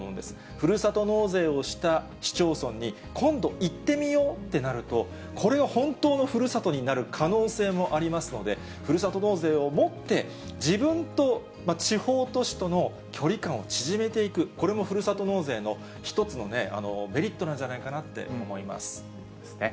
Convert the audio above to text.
ふるさと納税をした市町村に今度行ってみようってなると、これが本当のふるさとになる可能性もありますので、ふるさと納税をもって自分と地方都市との距離感を縮めていく、これもふるさと納税の一つのメリットなんじゃないかなって思いまそうですね。